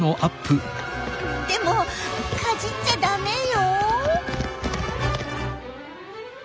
でもかじっちゃダメよ。